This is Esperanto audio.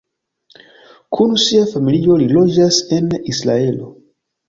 Kun sia familio li loĝas en Israelo.